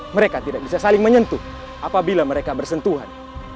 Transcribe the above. mereka tidak bisa saling menyentuh apabila mereka bersentuhan